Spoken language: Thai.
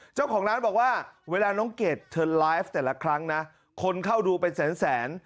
เจ้าของร้านบอกว่าเวลาน้องเกดเธอไลฟ์แต่ละครั้งนะคนเข้าดูเป็นแสน